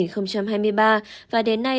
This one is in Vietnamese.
năm hai nghìn hai mươi ba và đến nay